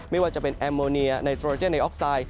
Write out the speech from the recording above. ไม่ว่าจะเป็นแอมโมเนียไนโตรเจนในออกไซด์